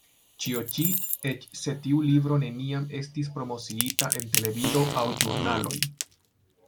Ĉio ĉi, eĉ se tiu libro neniam estis promociita en televido aŭ ĵurnaloj.